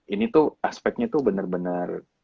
ini tuh aspeknya tuh bener bener